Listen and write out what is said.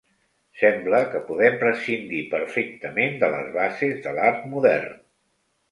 Sembla que podem prescindir perfectament de les bases de l'art modern.